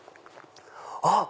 あっ！